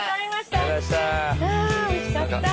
あおいしかった。